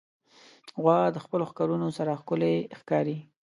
غوا د خپلو ښکرونو سره ښکلي ښکاري.